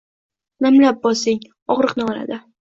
Namlab bosing, ogʻriqni oladi.